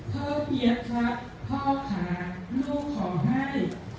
พ่อเอียดครับพ่อค่ะลูกขอให้